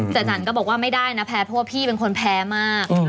แต่จันก็บอกว่าไม่ได้นะแพ้เพราะว่าพี่เป็นคนแพ้มาก